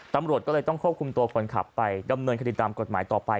ตำรวจก็เลยต้องควบคุมตัวคนขับไปดำเนินคดีตามกฎหมายต่อไป